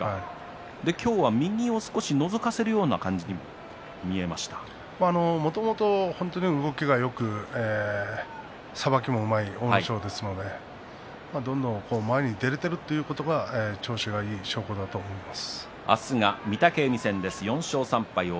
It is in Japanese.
今日は右を少しのぞかせるような感じにもともと本当に動きがよく、さばきもうまい阿武咲ですのでどんどん前に出られているということが調子がいい証拠だと思います。